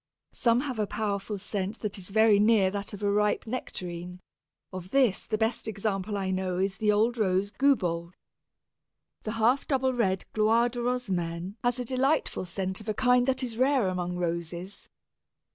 Some have a powerful scent that is very near that of a ripe Nectarine; of this the best example I know is the old rose Goubault. The half double red Gloire de Rosamène has a delightful scent of a kind that is rare among Roses.